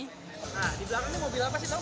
nah di belakangnya mobil apa sih tau gak